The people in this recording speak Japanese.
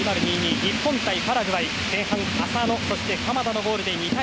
日本対パラグアイ前半、浅野そして鎌田のゴールで２対０。